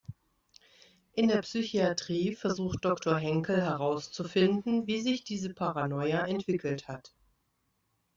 In der Psychiatrie versucht Doktor Henkel herauszufinden, wie sich diese Paranoia entwickelt hat.